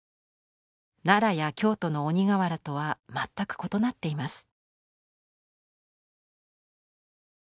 奈良や京都の鬼瓦とは全く異なっています。